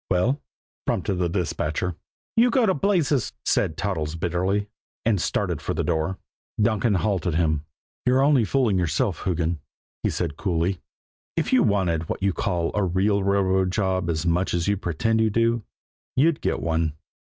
"Well?" prompted the dispatcher. "You go to blazes!" said Toddles bitterly, and started for the door. Donkin halted him. "You're only fooling yourself, Hoogan," he said coolly. "If you wanted what you call a real railroad job as much as you pretend you do, you'd get one."